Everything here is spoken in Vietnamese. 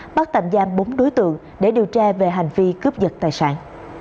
bắt tạm giam bốn đối tượng để điều tra về hành vi cướp giật tài sản